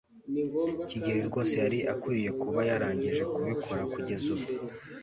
kigeri rwose yari akwiye kuba yarangije kubikora kugeza ubu